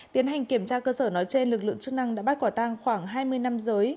tiến hành kiểm tra cơ sở nói trên lực lượng chức năng đã bắt quả tang khoảng hai mươi nam giới